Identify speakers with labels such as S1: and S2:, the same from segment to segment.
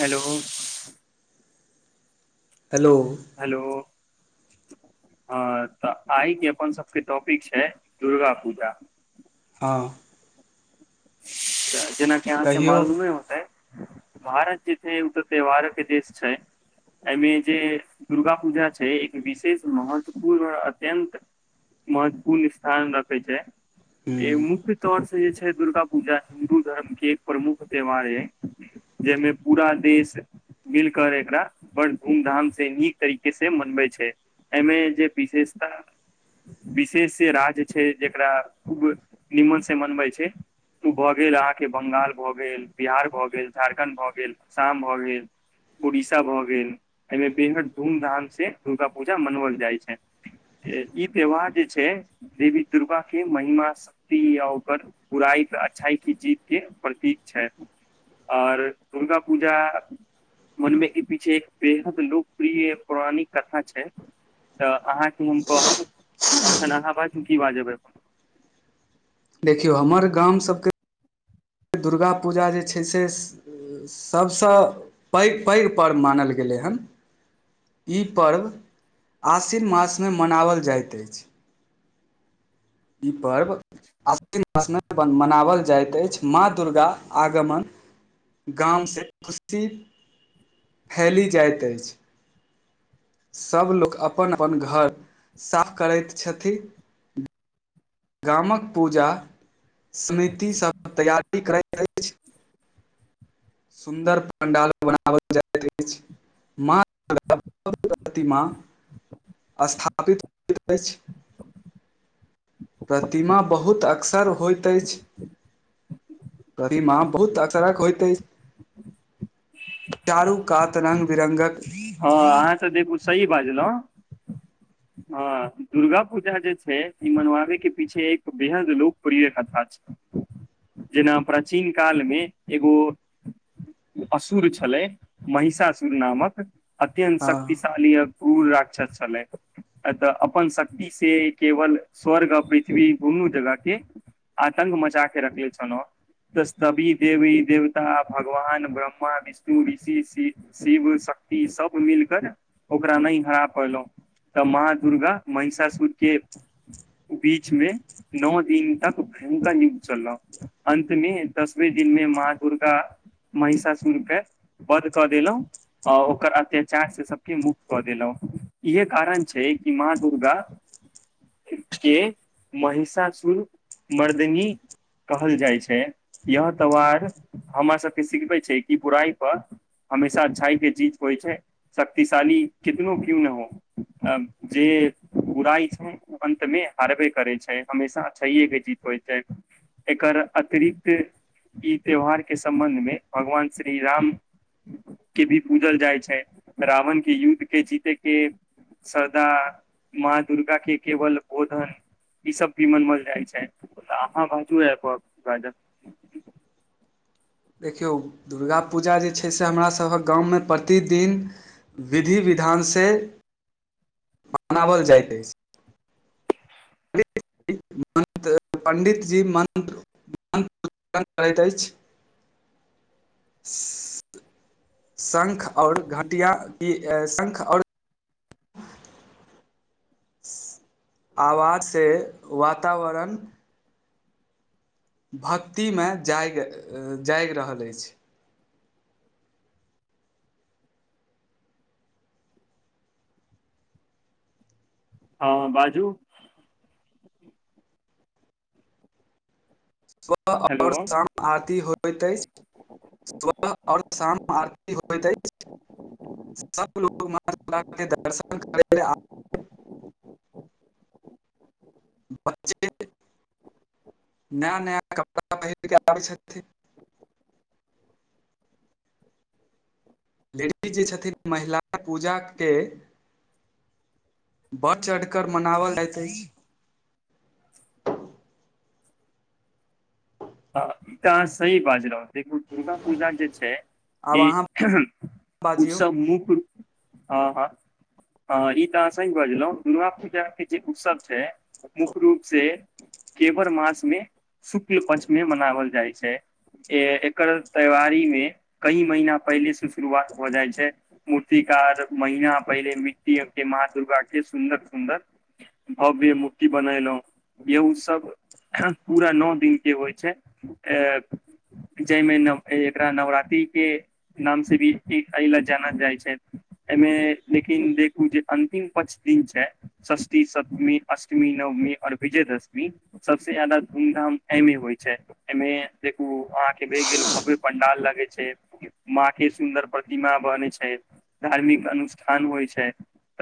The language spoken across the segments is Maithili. S1: हेलो
S2: हेलो
S1: हेलो हँ तऽ आइके अपन सभके टॉपिक छै दुर्गा पूजा
S2: हँ
S1: जेनाकि यहाँ से
S2: कहियौ
S1: मालूमे होतै भारत जे छै उ तऽ त्यौहारक के देश छै एहिमे जे दुर्गा पूजा छै एक विशेष महत्वपूर्ण और अत्यन्त महत्वपूर्ण स्थान रखे छै इ
S2: हूँ
S1: मुख्य तौर से जे छै दुर्गा पूजा हिन्दू धर्म के एक प्रमुख त्यौहार ये जहिमे पूरा देश मिलकर एकरा बड़ धूम धाम से नीक तरीके से मनबै छैय एमे जे विशेषता विशेष राज छै जेकरा खूब निमन से मनबै छै उ भऽ गेल अहाँके ब्ंगाल भऽ गेल बिहार भऽ गेल झारखण्ड भऽ गेल असाम भऽ गेल उड़ीसा भऽ गेल एहिमे बेहद धूमधाम से दुर्गा पूजा मनवल जाइ छै ई त्यौहार जे छै देवी दुर्गा के महिमा शक्ति या ओकर बुरायी तऽ अच्छाई के जीत के प्रतीक छैय आओर दुर्गा पूजा मनमे की पीछे एक बेहद लोकप्रिय पौराणिक कथा छै तऽ अहाँके हम कहब एखन अहाँ बाजू की बाजबै
S2: देखियौ हमर गाम सभके दुर्गा पूजा जे छै से सभसँ पैघ पैघ पर्व मानल गेलै हन ई पर्व आसिन मासमे मनाओल जाइत अछि ई पर्व आसनना [inaudible] मनाओल जाइत अछि माँ दुर्गा आगमन गामसँ खुशी फैली जाइत अछि सभ लोक अपन अपन घर साफ करैत छथि गामक पूजा समितिसभक तैयारी करैत अछि सुन्दर पण्डाल बनाओल जाइत अछि मति [inaudible] स्थापित होयत अछि प्रतिमा बहुत अक्सर होइत अछि कदीमा बहुत अदरक होइत अछि चारू कात रंग बिरंगक
S1: हँ अहाँ तऽ देखू सही बाजलौ हँ दुर्गा पूजा जे छै ई मनवाबे के पीछे एक बेहद लोकप्रिय कथा छै जेना प्राचीन कालमे एगो असुर छलै महिषासुर नामक अत्यन्त
S2: हँ
S1: शक्तिशाली उ राक्षस छलै ए तऽ अपन शक्ति से केवल स्वर्ग आ पृथ्वी दुनू जगह के आतंक मचाके रखले छलौ तऽवि देवी देवता भगवान ब्रह्मा विष्णु ऋषि शिव शक् ई सब मिलकर ओकरा नैय हरा पौलौ तऽ मा दुर्गा महिषासुर के बीचमे नओ दिन तक भयंकर नुग्त [inaudible] चललौ अन्तमे दसवे दिन मे माँ दुर्गा महिषासुरके वध कऽ देलहुँ आ ओकर अत्याचार से सबके मुक्त कऽ देलौ इहे कारण छै कि माँ दुर्गा के महिषासुर मर्दनी कहल जाइ छै यह त्यौहार हमरा सबके सिखबै छै कि बुराइ पर हमेशा अच्छाइ पे चीज कोइ छै शक्तिशाली कितनो क्यू न हो जे बुराइ छै अन्तमे हारबे करै छै हमेशा अच्छाए के जीत होइ छै एकर अतिरिक्त ई त्यौहारके सम्बन्धमे भगवान श्री राम के भी पूजल जाइ छै रावण के युद्ध के जीतै के श्रदा माँ दुर्गा के केवल बोधन ई सब भी मनमल जाय छैय अहाँ बाजू
S2: देखियौ दुर्ग पूजा जे छै से हमरा सभहक गांव मे प्रतिदिन विधि विध ध्यान से
S1: [inaudible]
S2: मनाओल जाइत अछि
S1: [inaudible]
S2: मन्त्र पण्डितजी मन्त्र मन्त्र करैत अछि
S1: [inaudible]
S2: शंख और घटिया शंख और आवाजसँ वातावरण भक्तिमे जाग जागि रहल अछि
S1: हँ बाजू
S2: सुबह और
S1: हेलो
S2: शाम आरती होइत अछि सुबह और शाम आरती होइत अछि सब लोक म दर्शन कर
S1: ठ [inaudible]
S2: ब्चे न नया कपड़ा पहिरके आबै छथिन लेडी जे छथिन महिला पूजाके बढ़ चढ़िकर मनाओल जाइत अछि
S1: ह ई तऽ अहाँ सही बाज रह देखू दुर्गा पूजा जे छै
S2: आब
S1: ई
S2: अहाँ बाजियौ
S1: उत्सव मुख्य रूप ह हँ हँ ई तऽ अहाँ स बजलहुँ दुर्गा पूजाके जे उत्सव छै मुख्य रूप से केवर मास मे शुक्ल पं्चमे मनाओल जाइ छै ए एकर तैवारी मे कई महीना पहिले से शुरुआत हो जाइ छै मूर्तिा महिना पहिले मिट्टी माँ दुर्गाक के सुन्दर सुन्दर भव्य मुटी बनेलहुं गेहू सब पूरा नओ दिन जे होइ छै अ जाहिमे नव एकरा नवरात्रिक के नाम से भी अल जानल जाइ छै एहिमे लेकिन देखू जे अंतिम पाँच दिन छै सष्ठी सतमी अष्टमी नवमी और विजयदशमी सबसँ जाददा धूमधाम एमे होइ छै एमे देखू अहां के भ गेल भव्य पंडाल लगे छै म के सुन्दर प्रतिमा बनै छै धार्मिक अनुष्ठान होइ छै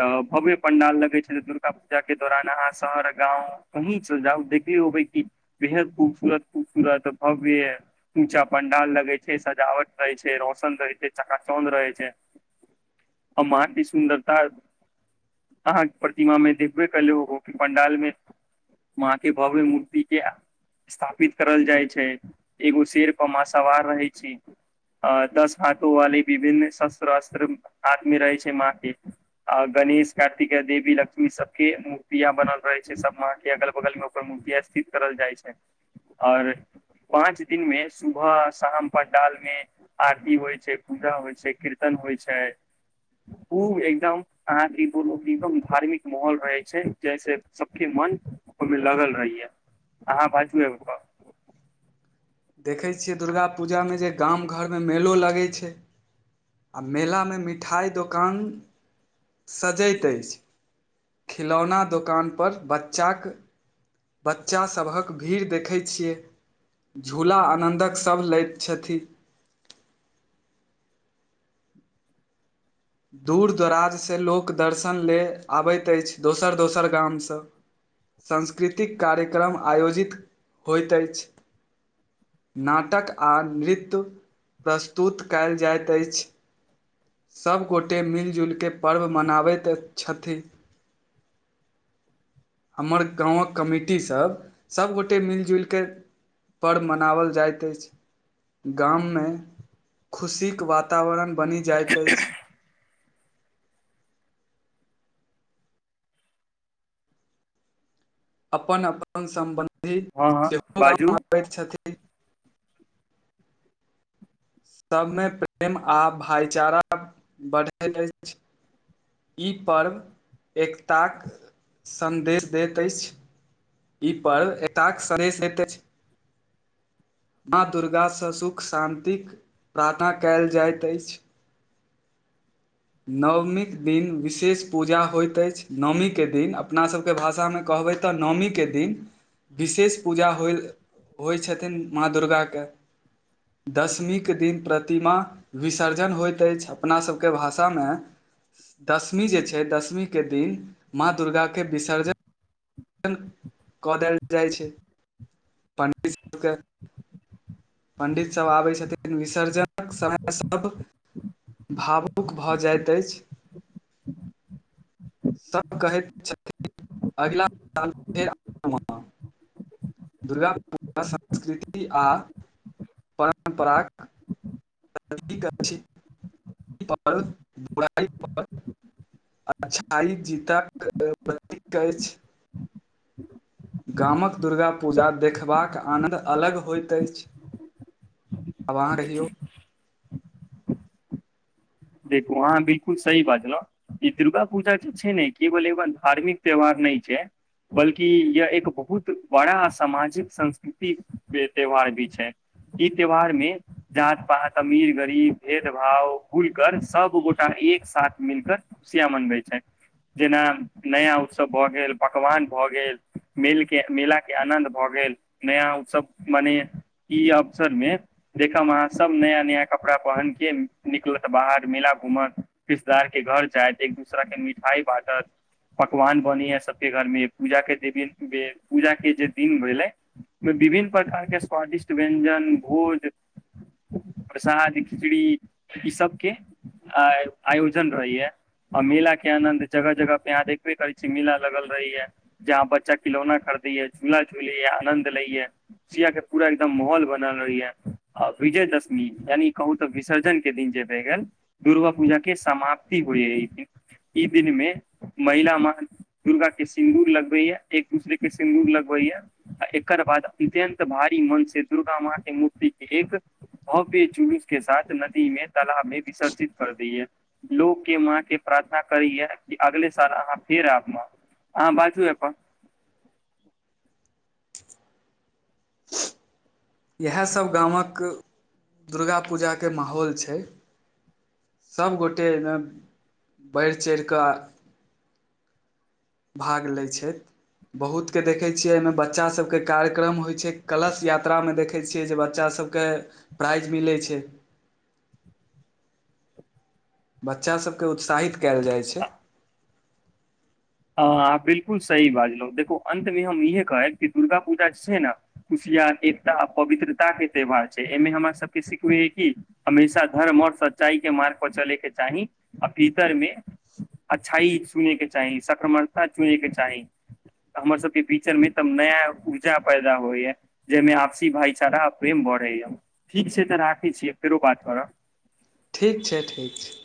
S1: तऽ भव्य पं्डाल लगैत छै दुर्गा पूजा के दौरान अहाँ शहर गाँंव कहीं च जाउ देखियौ बै क बेहद खूबसूरत खूबसूरत भव्य ऊचा पंडाल लगे छै सजावट रहे छै रोशन पस चकाचौन्द रह छै आ माँ सुन्दरता अहाँके प्रतिमामे देखबे कलहु कि पण्डालमे माँ के भब मूर्ति के स्थापित करल जाइ छै एगो शेरपर माँ सावार रहै छी अ दस हाथो वाली विभिन्न शस्त अस्त्र हाथ मे रहै छै माँ के गणेश कार्तिक देवी लक्ष्मी सब के मूर्तिया बनल रहे छै सब मा के अगल बगल मे ओकर मूर्तिया स्थित करल जाइ छै आओर पाँच दिन में सुबह शाम पर डाल में आरती होइ छै खुज होइ छै कीर्तन होइ छै खूब एकदम अहाँकेो एकदम धार्मिक माहौल रहै छै जैसे सबके मन ओहिमे लगल रहहियै अहाँ बाजू ए
S2: देखै छियै दुर्गा पूजामे जे गाम घरमे मेलो लगै छै आ मेलामे मिठाइ दोकान सजैत अछि खिलौना दोकानपर बच्चाक बच्चास सभक भीड़ देखै छियै झूला आनन्दक सभ लैत छथि
S1: [inaudible]
S2: दूर दराज सँ लोक दर्शन ले आबैत अछि दोसर दोसर गाम सँ सांस्कृतिक कार्यक्रम आयोजित होइत अछि नाटक आ नृत्य प्रस्तुत कायल जाइत अछि सभ गोटे मिलि जुलि कऽ पर्व मनाबैत अत छथिन
S1: [inaudible]
S2: हमर गाँवक कमिटी सभ सभ गोटए मिलि जुलि कऽ पर्व मनाओल जाइत अछि गाम मे खुशी के वातावरण बनि जायत अछि अपन अपन सम्बन्धी
S1: हँ हँ
S2: सेहो
S1: बाजू
S2: गाम आबैत छथिन सब में प्रेम आ भाईचारा बढ़ैत अछि ई पर्व एक ताक संदेश दैत अछि ई पर्व एकताक सदेश देत अछि माँ दुर्गा सँ सुख शाान्तिक प्रार्थना कयल जाइत अछि नवमी के दिन विशेष पूजा होइत अछि नवमी के दिन अपना सभ के भाषा में कह कहबै तऽ नौमी के दिन विशेष पूजा होय होइ छथिन माँ दुर्गा के दशमी के दिन प्रतिमा विसर्जन होइत अछि अपना सब के भाषा में तऽ में दशमी जे छै दशमीे के दिन माँ दुर्गा के विसर्जन जन कऽ देल जाइ छै पड़ित सभ के पण्डित सभ आबै छथिन विसर्जनक समय सभ भावुक भऽ जाइत अछि
S1: ह [inaudible]
S2: सभ कहैत छथिन अगिला साल फेर आयब हम दुर्गा पूजा संस्कृति आ परम्पराक अछी बुराई पर अच्छाई जीतक प्रतीक अछि गामक दुर्गा पूजा देखबाक आनन्द अलग होइत अछि आब रहहिऔ
S1: देखू अहाँ बिलकुल सही बाजलहु ई दुर्गा पूजा जे छै ने केवल ए धार्मिक त्यौहार नहि छै बल्कि य एक बहुत बड़ा सामाजिक संस्कृतिक के त्यौहार भी छै ई त्यौहार में जात पात अमीर गरीब भेद भाव भूल कर सब गोटा एक साथ मिलकर खुशिया मनबै छैथ जेना नया उत्सव भऽ गेल पकवान भऽ गेल मेला के आनन्द भऽ गेल भेल नया उत्सव माने ई अवसर मे देखब अहाँ सब नया नया कपड़ा पहनक के निकलब बाहर मेला घूमत रिश्तेदार के घर जायत एक दूसरा के मिठाई बाँटत पकवान बने ह सब के घर मे पूजा के दे पूजा के जे दिन भेलै विभिन्न प्रकार के स्वादिष्ट व्यञ्जन भोज प्रसाद खिचड़ी ई सब के आयोजन रहैया आ मेला के आनंन्द जगह जगह पे यहाँ देखबे करै छी मेला लगल रही है जहाँ बच्चा खिलौना खड़ा ह झूला झूले य आनंद ले ये सिया के पूरा एकदम माहौल बनल रहैय विजयदशमी यानि कहू तऽ विसर्जन के दिन जे भ गेल दुर्गा पूजा के समाप्ति होइ ह ई दिन में महिला माँ दुर्गा के सिन्दूर लगबै है एक दूसरे के सिन्दूर लगबै य आ एकर बाद अत्यन्त भारी मन से दुर्गा माँ के मूर्ति के एक भव्य चुलूस के साथ नदी में तालाब में विसर्जित कर दैय लोक के माँ के प्रार्थना करैए कि अगले साल अहाँ फेर फेर ऐब माँ अहाँ बाजू अपन
S2: इएहा सभ गामक दुर्गा पूजा के माहौल छै सभ गोटे बैढ़ चैढ़ कऽ
S1: [inaudible]
S2: भाग लै छैथ बहुत के देखे छियै एहिमे बच्चा सबके कार्यक्रम होइ छै कलश यात्रा मे देख फेर छिय जे बच्च सब क प्राईज मिलै छै बच्चा सभकेँ उत्साहित कयल जाइ छै
S1: ह बिलकुल सही बाजलहु देखो अंत मे हम इह कहब कि दुर्गा पूजा जे छै ने खुशी एकता आ पवित्रता के त्यौहार छै एहिमे हमरा सबके सिखबे कि हमेशा धर्म और संस्कृति सच्चाई के मार्ग पर चलेके चाही आ भीतरमे अच्छाई सुनेके चाही शक परमरता चुनैके चाही हमर सबके फीचर मे तब नया ऊर्जा पैदा होइएा जाहिमे आपसी भाईचारा प्रेम बढ़यै ठीक छै तऽ राखै छी फेरो बात करब
S2: ठीक छै ठीक छै